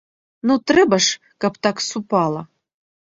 Ну трэба ж, каб так супала!